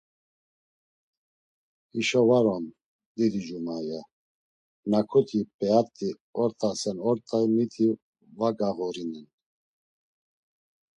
Hişo var on, didicuma, ya; naǩuti p̌eat̆i ort̆asen ort̆ay, miti va gağurinen.